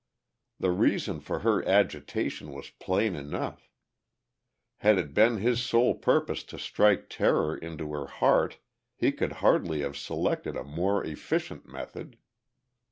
The reason for her agitation was plain enough; had it been his sole purpose to strike terror into her heart he could hardly have selected a more efficient method.